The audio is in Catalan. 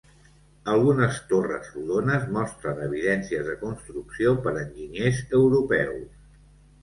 Algunes torres rodones mostren evidències de construcció per enginyers europeus.